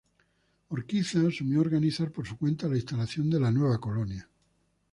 Urquiza asumió organizar por su cuenta la instalación de la nueva colonia.